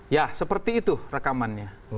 ya seperti itu rekamannya